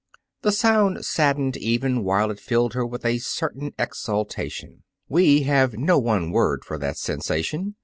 The sound saddened even while it filled her with a certain exaltation. We have no one word for that sensation.